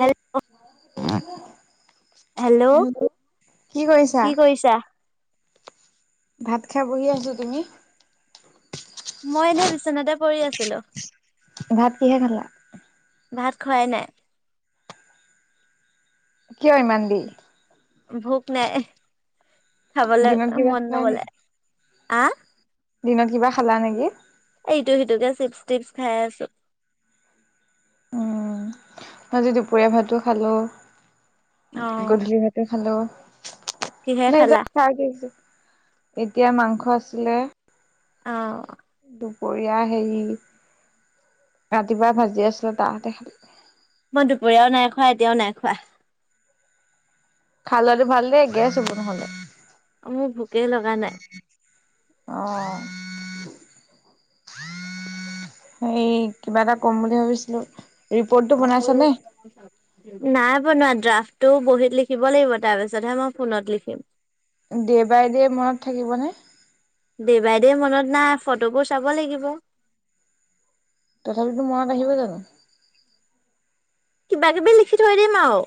হেল উম। Hello কি কৰিছা? ভাত খাই বহি আছো। তুমি? মই এনে বিছনাতে পৰি আছিলো। ভাত কিহে খালা? ভাত খোৱাই নাই। কিয় ইমান দেৰি? ভোক নাই। খাবলৈ দিনত কিবা মন খালা নি? নগলে। আ দিনত কিবা খালা নেকি? এইটো সিটোকে চিপছ -টিপছ খাই আছো। উম। মই আজি দুপৰীয়া ভাতো খালো। অ গধূলি ভাতো খালো। কিহে খালা [unintelligible] এতিয়া মাংস আছিলে। অ'হ। দুপৰীয়া হেৰি। ৰাতিপুৱা ভাজি আছিলে তাস'তে খালো। মই দুপৰীয়াও নাই খোৱা। এতিয়াও নাই খোৱা। খাই লোৱাটো ভাল দেই, গেছ হব নহলে। মোৰ ভোকে লগা নাই। অ'হ। হেই কিবা এটা কম বুলি ভাবিছিলো। ৰিপৰ্টটো বনাইছানে? নাই। শুনা ড্ৰাফ্টটো বহীত লিখিব লাগিব, তাৰ পিছতহে মই ফোনত লিখিম। দে বাই দে মনত থাকিবনে? দে বাই দে মনত নাই। ফটোবোৰ চাব লাগিব। তথাপিতো মনত আহিব জানো? কিবা কিবি লিখি থৈ দিম আৰু।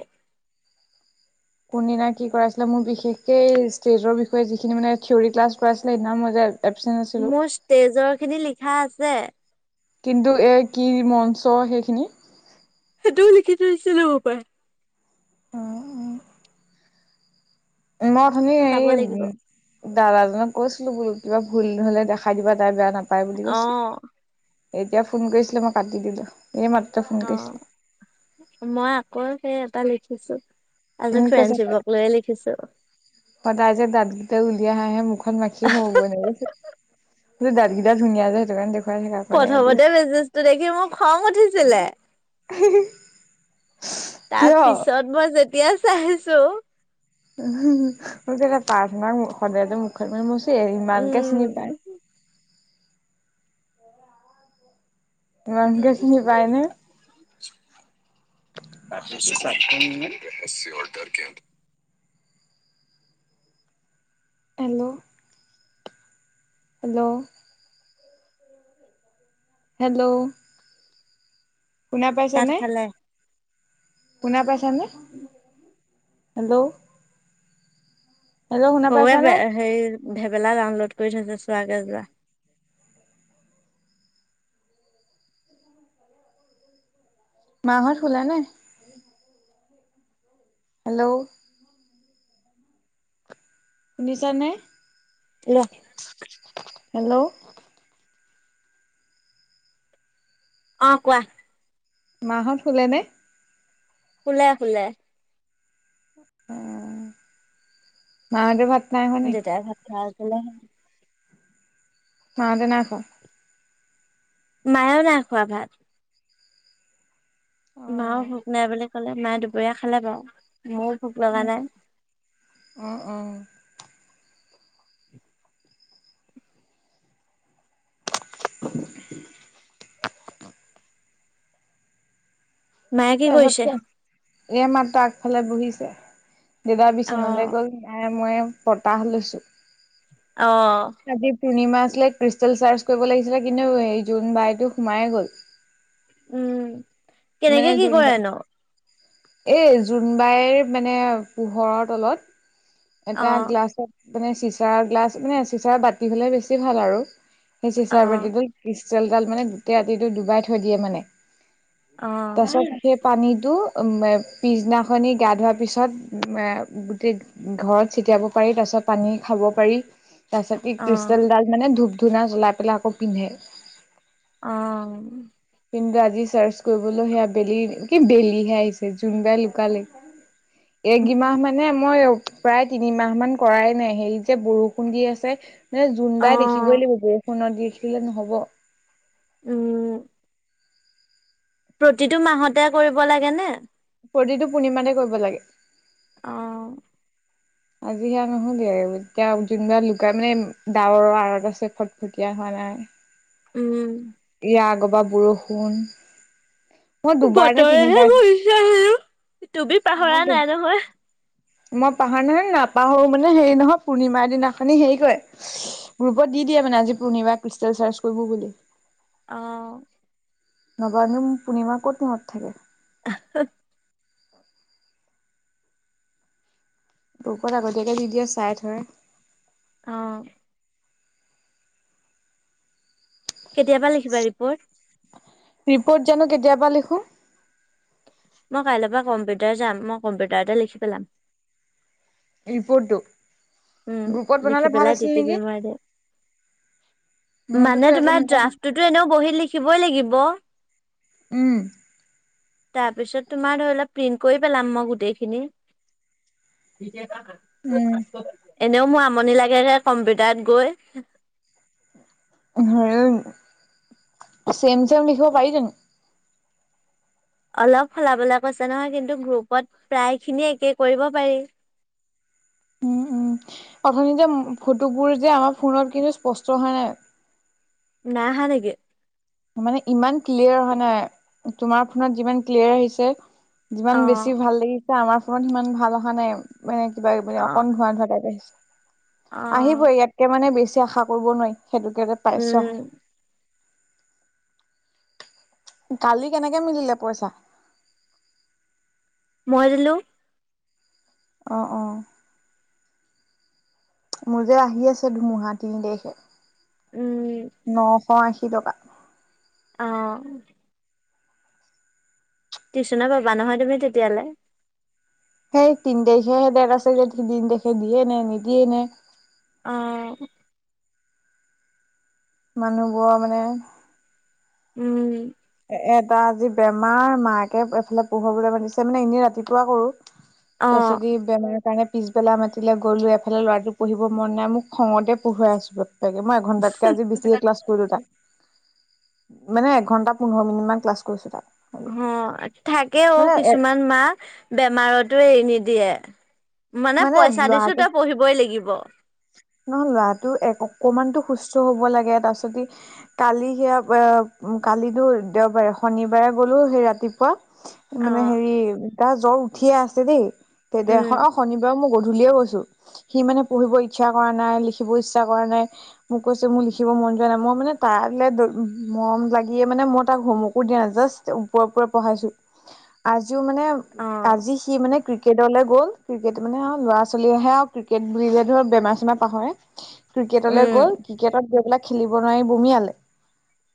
কোনদিনা কি কৰাইছিলে, মোৰ বিশেষকে এই ষ্টেজৰ বিষয়ে যিখিনি মানে থিয়ৰী ক্লাছ কৰাইছিলে সেইদিনা মই যে এবচেণ্ট আছিলো মোৰ ষ্টেজৰ খিনি লিখা আছে। কিন্তু এ কি মঞ্চ সেইখিনি সেইটোও লিখি থৈছিলো হপাই! অ উম। মই অথনি চাব লাগিব হেৰি দাদাজনক কৈছিলো বোলো, কিবা ভুলহলে দেখাই দিবা, তাই বেয়া নাপায় বুলি অ কৈছিলো। এতিয়া ফোন কৰিছিলে, মই কাটি দিলো। এই মাত্ৰ ফোন কৰিছিলে অ' মই আকৌ সেই এটা লিখিছো। আজি ফ্ৰেণ্ডশ্বিপক [unintelligible] লৈয়ে লিখিছো অ' তাই যে দাঁতকেইটা ওল- যেতিয়া হাহে মুখখন মাখি সোমাব এনেকে, কিন্ত দাঁত কেইটা ধুনীয়া যে হেতুকাৰণে দেখ প্ৰথমতে মেছেজটো দেখি মো খং উঠিছিলে। হি -হি। তাৰ পিছত মই যেতিয়া চাইছো, ম [unintelligible] পাৰথনা না সদায় মুখখন মে ইমানকে উম চিনি পায়। ইমানকে চিনি পায়নে? [inaudible] [unintelligible] হেল্ল'। হেল্ল'। হেল্ল'। শুনা তাত পাইছানে? খালে শুনা পাইছানে? হেল্ল'। হেল্ল' শুনা সৰুৱে পাইছানে? হে ভেবেলা ডাউনলোড কৰি থৈছে চোৱাগে যোৱা। মাহত শুলা নে হেল্ল' শুনিছানে? [unintelligible] হেল্ল'। অ কোৱা মা হঁত শুলে নে? শুলে শুলে উম মা হতে ভাত নাই খোৱা নি? দেতাই ভাত খাই আছিলে। মাহঁতে নাই খোৱা। মাইও নাই খোৱা ভাত। মাও অ', ভোক নাই বুলি কলে মায়ে দুপৰীয়া খালে বাৰু ময়ো ভোক লগা নাই অ', অ'। মায়ে কি তাৰ পিছত কৰিছে তো এ মাত্ৰ আগফালে বহিছে দেউতায়ে অ বিচনালে গ'ল আয় মই বতাহ লৈছো অ আজি পূৰ্ণিমা আছে। ক্লিক ক্ৰিষ্টেল চাৰ্চ কৰিব লাগিছিলে কিন্তু এই জোন বাইটো সোমাইে গ'ল উম মানে কেনেকে কি জোন কৰে বাই, ন'? এই জোনবাইৰ মানে পোহৰৰ তলত এটা অ', গ্লাছত মানে চিচাৰ গ্লাছ মানে চিচাৰ বাতি হ'লে বেছি ভাল আৰু সেই চিচাৰ অ', বাতিটো ক্ৰিষ্টেলডাল মানে গোটেই ৰাতিটো ডুবাই থৈ দিয়ে মানে। অ'। তাৰপিছত সেই পানীটো আম এ পিছদিনা খনে গা ধোৱাৰ পিছত উম এ গোটেই ঘৰত ছিত টিয়াব পাৰি তাৰপিছত পানী খাব পাৰি তাৰ পিছত ই অ', ক্ৰিষ্টেলডাল মানে ধূপ ধুনা জ্বলাই পেলাই আকৌ পিন্ধে। অ'। কিন্তু আজি চাৰ্চ কৰিবলৈ সেয়া বেলি কি বেলিহে আহিছে জোনবাই লুকালে। এগমাহ মানে মই প্ৰায় তিনিমাহ মান কৰাই নাই হেৰি যে বৰষুণ দি আছে। নানে জোনবাই দেখিবই অ', লাগিব ফোনত দেখিলে নহব। উম'। প্ৰতিটো মাহতে কৰিব লাগে নে? প্ৰতিটো পূৰ্ণিমাতে কৰিব লাগে। অ'। আজি সেয়া নহ'লে এতিয়া জোনবাই লুকাই মানে ডাৱৰৰ আঁৰত আছে ফটফটীয়া হোৱা নাই। নাই। উম। তাৰ আগৰ পৰা বৰষুণ। মই দুবাৰ নে বতৰেহে তিনিবাৰ গৈছে আৰু তুমি মই পাহৰা দু নাই নহয়। মই পাহাৰো নাই নহয় নাপাহৰো মানে হেৰি নহয় পূৰ্ণিমাৰ দিনাখনি হেৰি কৰে গ্ৰুপত দি দিয়ে মানে আজি পূৰ্ণিমা ক্ৰিষ্টেল চাৰ্জ কৰিব বুলি। অ'। নৱম পূৰ্ণিমা ক'ত মনত থাকে। আহ হা। গ্ৰুপত আগতীয়াকে দি দে চাই থয়। অ'। কেতিয়াবা লিখিবা ৰিপ'ৰ্ট। ৰিপ'ৰ্ট জানো কেতিয়াবা লিখো। মই কাইলৈৰ পৰা কম্পিউটাৰ যাম। মই কম্পিউটাৰতে লিখি পেলাম। ৰিপৰ্টটো উম গ্ৰুপত বনালে লিখি ভাল পেলাই আছিল ডিটিপি নেকি মাৰি দে। মানে মইতোতো একো তোমাৰ নাজানো ড্ৰাফটোতো এনেও বহিত লিখিবই লাগিব। উম। তাৰ পিছত তোমাৰ ধৰিলা প্ৰিন্ট কৰি পেলাম মই গোটেইখিনি। [unintelligible] এনেও মোৰ আমনি লাগে ৰে কম্পিউটাৰত গৈ। [inaudible] আৰু চেম চেম লিখিব পাৰি জানো। অলপ সলাবলৈ কৈছে নহয় কিন্তু গ্ৰুপত প্ৰায় খিনিয়ে একে কৰিব পাৰি। প্ৰথমতে ফটোবোৰ যে আমাৰ ফোনত কিন্তু স্পষ্ট হোৱা নাই। নাই আহা নাকি। মানে ইমান ক্লিয়াৰ হোৱা নাই তোমাৰ ফোনত যিমান ক্লিয়াৰ আহিছে। অ যিমান বেছি ভাল লাগিছা আমাৰ ফোনত সিমান ভাল অহা নাই মানে কিবা মানে অ অকন ধোৱা ধোৱা টাইপ আহিছে। অ আহিবই ইয়াতকে মানে বেছি আশা কৰিব নোৱাৰি সেইটোকে যে পাইছোঁ। উম কালি কেনেকে মিলিলে পইচা। মই দিলোঁ। অ, অ'। মোৰ যে আহি আছে ধুমুহা তিনি তাৰিখে। উম নশ আশী কি টকা অ। টিউচনে পাবা নহয় তুমি তেতিয়ালৈ। সেই তিন তাৰিখে সে দেৰ আছে ন তিন তাৰিখে দিয়ে নে নিদিয়ে নে। অহ। মানুহবোৰৰ মানে উম। এ এটা আজি বেমাৰ মাকে এইফালে পঢ়ুৱাবলৈ মাতিছে মানে এনেই ৰাতিপুৱা কৰোঁ। অ তাৰপিছত ই বেমাৰ সেইকাৰণে পিছবেলা মাতিলে গ'লো এফালে ল'ৰাটো পঢ়িব মন নাই মোক খঙতে পঢ়ুৱাই আছো আৰু। তাকে মই এঘন্টাতকে আজি বেছিয়ে ক্লাছ কৰিলো তাত মানে এঘন্টা। পোন্ধৰ মিনিট মান ক্লাছ কৰিছোঁ তাত। অ, থাকে অ এ কিছুমান মা বেমাৰতো এৰি নিদিয়ে। মানে পইচা দিছোঁ তই পঢ়িবই লাগিব। নহয় ল'ৰাটো এক অকমানতো সুস্থ হব লাগে তাৰ পিছত সি কালি সেয়া অ কালিটো দেওবাৰে শনিবাৰে গ'লোঁ সেই ৰাতিপুৱা অ মানে হেৰি তাৰ জ্বৰ উঠিয়ে আছে দেই তেতিয়া উম অ শনিবাৰে মোক গধু ধুলিয়ে গৈছোঁ সি মানে পঢ়িবই। ইচ্ছা কৰা নাই লিখিব ইচ্ছা কৰা নাই মোক কৈছে মোৰ লিখিব মন যোৱা নাই মই মানে তাইৰ ই মৰম লাগে মানে মই তাক হোমৱৰ্কো দিয়া নাই জাষ্ট ওপৰে ওপৰে পঢ়াইছো আ জি মানে অ আজি সি মানে ক্ৰিকেটলৈ গ'ল ক্ৰিকেট মানে ল'ৰা-ছোৱালী আহে আৰু ক্ৰিকেট বুলিলে ধৰক বেমাৰ চেমাৰ পাহৰে। ক্ৰিকেটলৈ গ'ল উম ক্ৰিকেটত গৈ পেলাই খেলিব নোৱাৰি বমিয়ালে।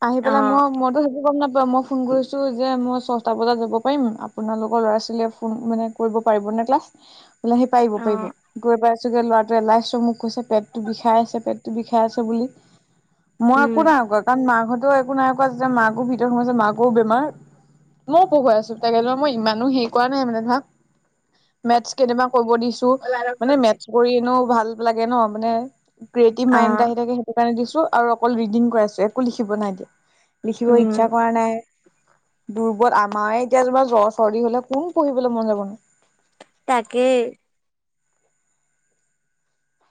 আহি অ পেলাই মই মইতো সেইটো গম নাপাওঁ। মই ফোন কৰিছো যে মই ছয়টা বজাত যাব পাৰিম আপোনালোকৰ ল'ৰা-ছোৱালীয়ে ফোন মানে কৰিব পাৰিব। [unintelligible] সি পাৰিব অ পাৰিব গৈ পাইছোগে ল'ৰাটোৱে ওলাইছে। কৈছে পেটটো বিষাই আছে পেটটো বিষাই আছে বুলি মই উম একো নাই কোৱা কাৰণ মাৰ ঘৰত। তো একো নাই কোৱা যে মাকো ভিতৰত সোমাইছে মাকো বেমাৰ। মই পঢ়ুৱাই আছো তাকে ধৰা মই ইমানো হেৰি কৰা নাই মানে ধৰা মেটচ কেতিয়াবা। কব দিছো মানে মেথছ কৰি এনেও ভাল লাগে ন মানে ক্ৰিয়েটিভ অ মাইণ্ড আহি থাকে সেইটো কাৰণে দিছো আৰু অকল ৰিডিং কৰাইছো একো লিখিব নাই দিয়া। লিখিব উম ইচ্ছা কৰা নাই। দুৰ্বল আমাৰে এতিয়া তোমাৰ জ্বৰ চৰ্দি হ'লে কোন পঢ়িবলৈ মন যাবনো। তাকে।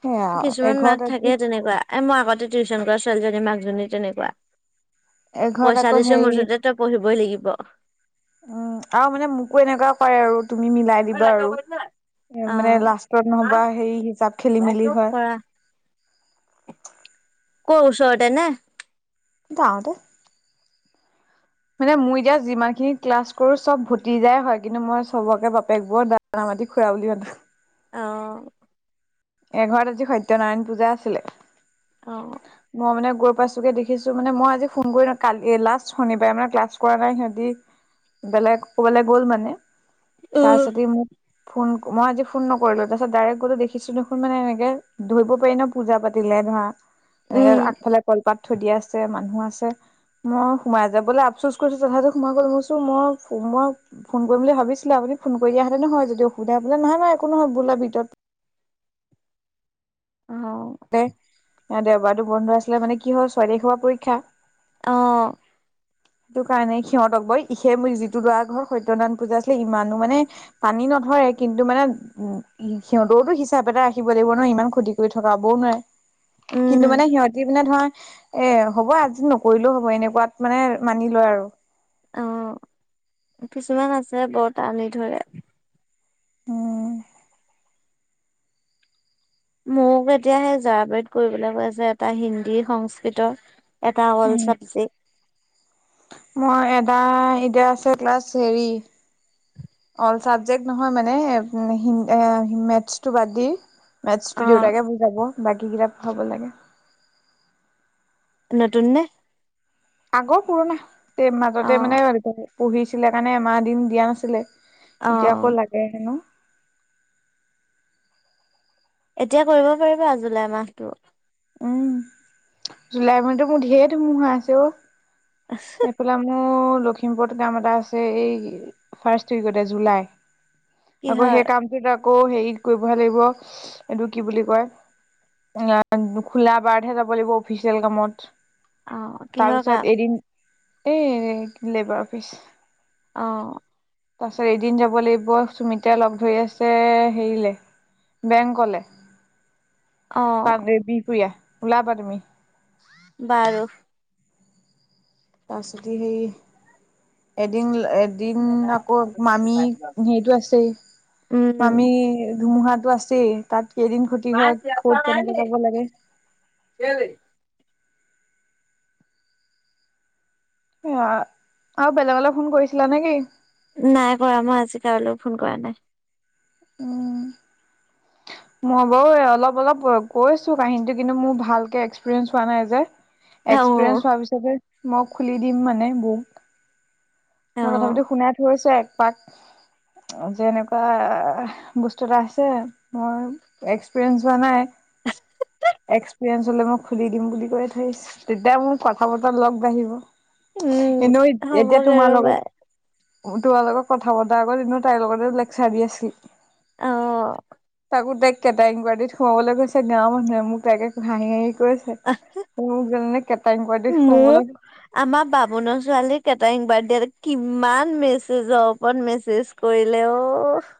সেয়া আৰু কিছুমান মাক থাকে এঘৰত তেনেকুৱা এ মই আগতে টিউচন কৰা ছোৱালীজনী মাকজনী তেনেকুৱা। এঘৰত পইচা আকৌ দিছো হেৰি মুঠতে তই পঢ়িবই লাগিব। উম আৰু মানে মোকো এনেকুৱা কৰে আৰু তুমি মিলাই দিবা আৰু। এ অ মানে লাষ্টত নহবা সেই হিচাপ খেলি মেলি হয়। কৰা ক ওচৰতে নে? এটা অ দে মানে মই এতিয়া যিমান খিনি ক্লাছ কৰো চব ভতিজাই হয় কিন্তু মই চবকে বাপেক বোৰ বাকি খুৰা বুলি মাতো অহ। এঘৰত আজি সত্যনাৰায়ণ পূজা আছিলে, অ মই মানে গৈ পাইছোগে দেখিছো মানে মই আজি সোন কৰি ন কালি লাষ্ট শনিবাৰে মানে ক্লাছ কৰা নাই সিহঁতি বেলেগ কবালে গ'ল মানে। তাৰ উম যদি মোক ফোন মই আজি ফোন নকৰিলো তাৰপিছত ডাইৰেক্ট গলো দেখিছিলো মানে এনেকে ধৰিব পাৰি ন' পূজা পাতিলে ধৰা এনেকে উম আগফালে কলপাত সুধি আছে মানুহ আছে। মই সোমাই যাবলৈ আফচোচ কৰিছো তথাপো সোমাবলৈ লৈছোঁ মই মই ফোন কৰিম বুলি ভাবিছিলো আপুনি ফোন কৰি দিয়া হেঁতেনটো হয় যদি অসুবিধা আছিলে, নাই নাই একো হয় বলা ভিতৰত অ'। দে দেওবাৰটো বন্ধ আছিলে মানে কি হ'ল ছোৱালী ঘৰৰ পৰীক্ষা। অ'। সেইকাৰণে সিহঁতক বই ই সে মোৰ যিটো লৰা ঘৰত সতয়নাৰায়ণ পূজা আছিলে ইমানো মানে পানী ন' ধৰে কিন্তু মানে উ, উ, সিহঁতৰতো হিচাপ এটা ৰাখিব লাগিব নয় ইমান ক্ষতি কৰি থকাবও নোৱাৰে। কিন্তু উম মানে সিহঁতি মানে ধৰা এ, হ'ব আজি নকৰিলেও হ'ব এনেকুৱাত মানে মানি লয় আৰু। অ' কিছুমান আছে বৰ টানি ধৰে। উম'। মোক এতিয়া সেই জৰাবাৰত কৰিবলৈ কৈছে এটা হিন্দী সংস্কৃতত এটা হ'ল উম চব্জি। মই এটা এতিয়া আছে ক্লাছ হেৰি অল চাবজেক্ট নহয় মানে [unintelligible] মেথছটো বাদ দি। মেথছটো অ দেউতাকে বুজাব, বাকী কিতাপ হ'ব লাগে। নতুন নে? আগৰ পুৰণা এই অ মাজতে মানে এ, পঢ়িছিলে কাৰণে এমাহ দিন দিয়া নাছিলে। অ অ এতিয়া আকৌ লাগে হেনো। এতিয়া কৰিব পাৰিবা জুলাই মাহটো? উম, জুলাই মাহতো মোৰ ঢেৰ ধুমুহা আছে অ'। এইফালে মোৰ মোৰ লখিমপুৰত কাম এটা আছে, এই ফাৰ্ষ্ট উইকতে জুলাই আকৌ কিহৰ সেই কামটো যাক আকৌ হেৰি কৰিবহে লাগিব এইটো কি বুলি কয় এ খোলা বাৰহে যাব লাগিব অফিচিয়েল কামত অ' কিহৰ কাম? তাৰপিছত এদিন এ লেবাৰ অফিচ অ তাৰপিছত এদিন যাব লাগিব সুমিতা লগ ধৰি আছে হেৰিলে বেংকলে অ' বিহপুৰীয়া ওলাবা তুমি বাৰু তাৰপিছত সেই এডং এ এদিন আকৌ মামী হেৰিতটো আছেই মামী উম, ধুমুহাত টো আছেই তাত কেইদিন ক্ষতি হয় ক'ত কেনেকে যাব লাগে সেয়া আৰু বেলেগলৈ ফোন কৰিছিলা নে কিি নাই কৰা মই আজি কাৰলৈ ফোন কৰা নাই উম'। মই বাৰু অলপ অলপ কৈছো, কাহিনীটো কিন্তু মোৰ ভালকে এক্সপিৰিয়েঞ্চ হোৱা নাই যে। অ' এক্সপিৰিয়েঞ্চ হোৱাৰ পিছতে মই, খুলি দিম মানে বুক। মই অ' তথাপিতো, শুনাই থৈছো এক পাক। যেনেকুৱা, বস্তু এটা আছে, মই এক্সপিৰিয়েঞ্চ হোৱা নাই। এক্স। [unintelligible] মই খুলি দিম বুলি কৈ থৈ আহিছো। তেতিয়া মোক কথা বতৰা লগ বাঢ়িব। উম, কিন্তু এতিয়া হ'বগে তোমাৰ লগত ৰ'বা তোমাৰ লগত কথা পতাৰ আগত কিন্তু তাইৰ লগতে লেকছাৰ দি আছিলো। অহ'। তাকো, তাই কেইটা ইনকুৱাৰী সোমাবলে গৈছে। মানুহে মোক তাকে হাঁহি হাঁহি কৈছে মোক যেনে কেটাঙ কৰা দি। মোক [unintelligible] আমাৰ বামুণৰ ছোৱালী কেটাৰিং পাৰ্টি এটা কিমান, মেছেজৰ ওপৰত মেছেজ কৰিলে অহ'।